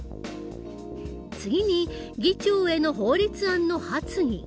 次に議長への法律案の発議。